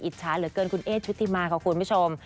อิจฉาเหลือเกินคุณเอ๊ดชุธิมาขอบคุณคุณผู้ชม